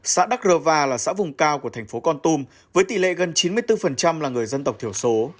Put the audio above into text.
xã đắc rơ va là xã vùng cao của thành phố con tum với tỷ lệ gần chín mươi bốn là người dân tộc thiểu số